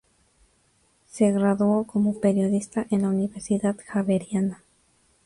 Se graduó como periodista en la Universidad Javeriana.